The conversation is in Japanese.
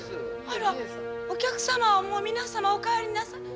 あらお客様はもう皆様お帰りなさい。